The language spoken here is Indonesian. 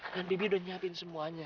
dan bibi udah siapin semuanya